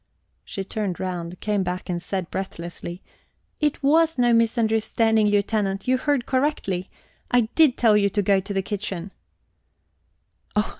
She turned round, came back, and said breathlessly: "It was no misunderstanding, Lieutenant; you heard correctly I did tell you to go to the kitchen."